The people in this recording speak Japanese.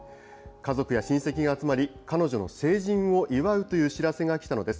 家族や親戚が集まり、彼女の成人を祝うという知らせが来たのです。